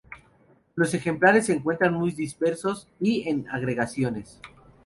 Los ejemplares se encuentran muy dispersos y en agregaciones.